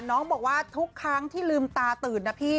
น้องบอกว่าทุกครั้งที่ลืมตาตื่นนะพี่